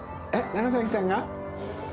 長さんが？